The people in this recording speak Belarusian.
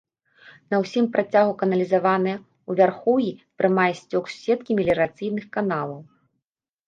На ўсім працягу каналізаваная, у вярхоўі прымае сцёк з сеткі меліярацыйных каналаў.